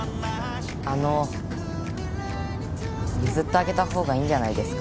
あの譲ってあげたほうがいいんじゃないですか？